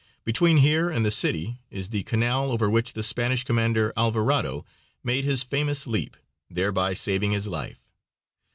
Between here and the city is the canal over which the Spanish commander, Alvavado, made his famous leap, thereby saving his life.